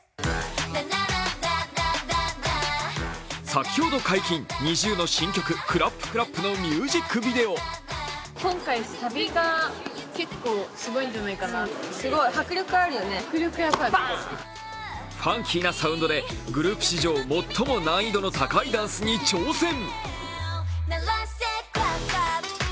先ほど解禁、ＮｉｚｉＵの新曲、「ＣＬＡＰＣＬＡＰ」のミュージックビデオファンキーなサウンドでグループ史上最も難易度の高いダンスに挑戦。